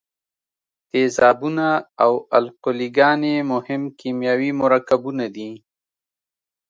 تیزابونه او القلي ګانې مهم کیمیاوي مرکبونه دي.